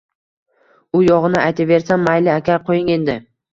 U yog‘ini aytaversam… Mayli, aka, qo‘ying endi